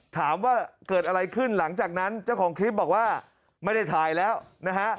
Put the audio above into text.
ถามว่าเกิดอะไรขึ้นหลังจากนั้นเจ้าของคลิปบอกว่าไม่ได้ถ่ายแล้วนะฮะ